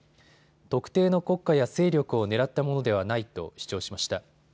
特定の国家や勢力を狙ったものではないと主張しました。